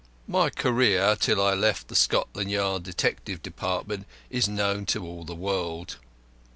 My career till I left the Scotland Yard Detective Department is known to all the world.